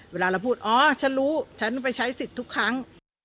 เวลาเราพูดอ๋อฉันรู้ฉันไปใช้สิทธิ์ทุกครั้ง